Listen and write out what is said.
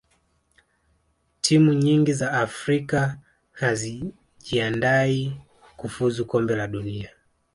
timu nyingi za afrika hazijiandai kufuzu kombe la dunia